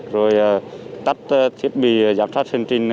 rồi tắt thiết bị giám sát hình tin